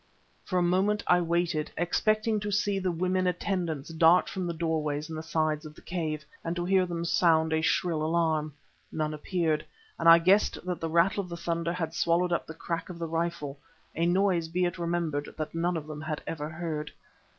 For a moment I waited, expecting to see the women attendants dart from the doorways in the sides of the cave, and to hear them sound a shrill alarm. None appeared, and I guessed that the rattle of the thunder had swallowed up the crack of the rifle, a noise, be it remembered, that none of them had ever heard.